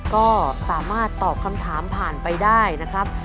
ก็สามารถตอบคำถามผ่านไปได้นะครับ